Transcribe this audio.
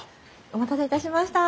お待たせいたしました。